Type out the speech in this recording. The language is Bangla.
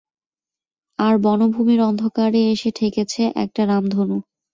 আর বনভূমির অন্ধকারে এসে ঠেকেছে একটা রামধনু।